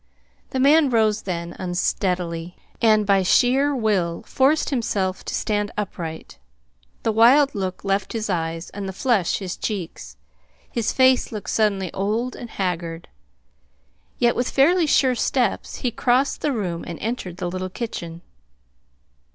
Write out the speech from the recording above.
The man rose then, unsteadily, and by sheer will forced himself to stand upright. The wild look left his eyes, and the flush his cheeks. His face looked suddenly old and haggard. Yet with fairly sure steps he crossed the room and entered the little kitchen.